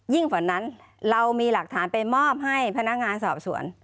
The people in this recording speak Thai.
กว่านั้นเรามีหลักฐานไปมอบให้พนักงานสอบสวน